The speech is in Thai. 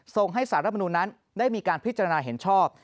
ส่งให้สารรัฐมนุนนั้นได้มีการพิจารณาเห็นชอบ